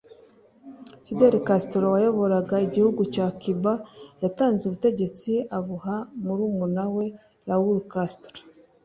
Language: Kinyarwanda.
Fidel Castro wayoboraga igihugu cya Cuba yatanze ubutegetsi abuha murumuna we Raul Castro